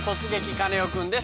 カネオくん」です。